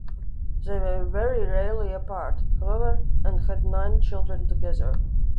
They were very rarely apart, however, and had nine children together.